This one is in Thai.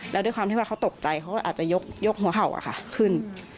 แล้วด้วยความที่ว่าเขาตกใจเขาก็อาจจะยกหัวเห่าขึ้น